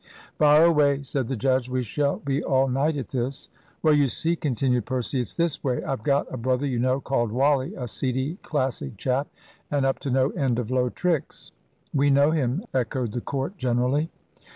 "Fire away," said the judge, "we shall be all night at this." "Well, you see," continued Percy, "it's this way. I've got a brother, you know, called Wally, a seedy Classic chap, and up to no end of low tricks." "We know him," echoed the court generally.